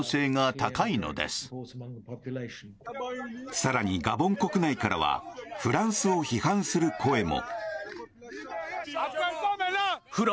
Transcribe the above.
更に、ガボン国内からはフランスを批判する声も。